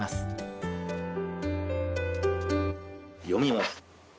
読みます。